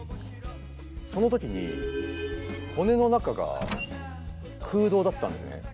その時に骨の中が空洞だったんですね。